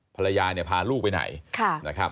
ภรรยาพาลูกไปไหน